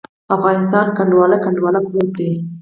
افغانستان کنډواله، کنډواله پروت دی.